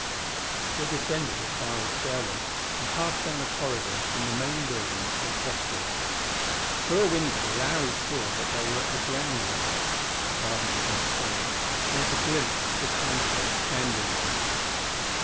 They descended a spiral stairway and passed down a corridor from the main building to a cross wing. Through a window Larry saw that they were at the ground level. The garden was outside; there was a glimpse of the Time cage standing there.